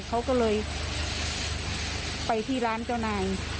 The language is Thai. เขาก็เลยไปที่ร้านเจ้านาย